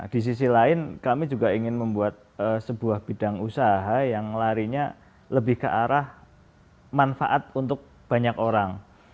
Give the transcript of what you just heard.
di sisi lain kami juga ingin membuat sebuah bidang usaha yang larinya lebih ke arah manfaat untuk banyak orang